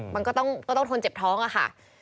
มันก็ต้องทนเจ็บท้องอะค่ะ